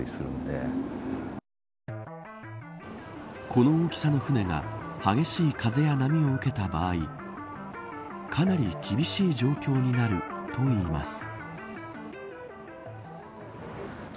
この大きさの船が激しい風や波を受けた場合かなり厳しい状況になるといいます。